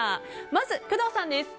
まず、工藤さんです。